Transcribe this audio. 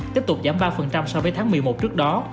tiếp tục giảm ba so với tháng một mươi một trước đó